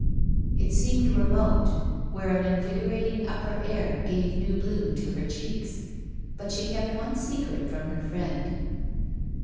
It seemed remote, where an invigorating upper air gave new bloom to her cheeks; but she kept one secret from her friend.